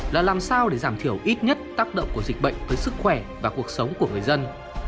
là làm sao để giảm thiểu ít nhất tác động của dịch bệnh tới sức khỏe và cuộc sống của người dân